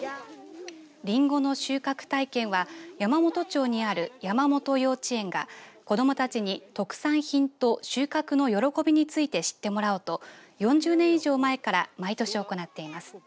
リンゴの収穫体験は山元町にあるやまもと幼稚園が子どもたちに特産品と収穫の喜びについて知ってもらおうと４０年以上前から毎年行っています。